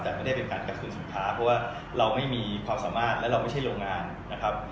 แต่ไม่ได้เป็นการกระตุ้นสินค้าเพราะว่าเราไม่มีความสามารถและเราไม่ใช่โรงงานนะครับ